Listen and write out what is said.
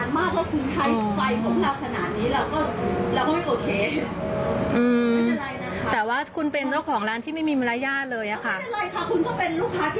ไม่เป็นไรค่ะคุณก็เป็นลูกค้าที่ไม่มีมารยาทเหมือนกัน